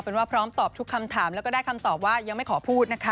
เป็นว่าพร้อมตอบทุกคำถามแล้วก็ได้คำตอบว่ายังไม่ขอพูดนะคะ